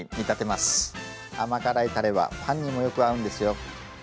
甘辛いたれはパンにもよく合うんですよ。